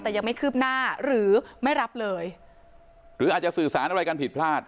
แต่ยังไม่คืบหน้าหรือไม่รับเลยหรืออาจจะสื่อสารอะไรกันผิดพลาด